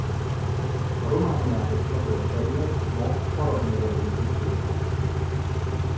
A Romániához csatolt terület ma Arad megye részét képezi.